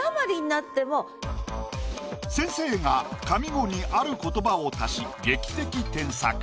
でこれ先生が上五にある言葉を足し劇的添削。